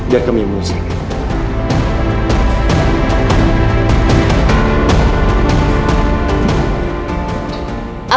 biar kami memiliki cerita